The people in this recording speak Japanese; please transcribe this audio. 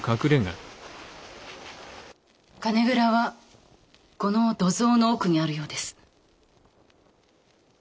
金蔵はこの土蔵の奥にあるようです。